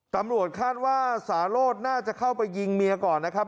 ตำรวจคาดว่าสาโรธน่าจะเข้าไปยิงเมียก่อนนะครับ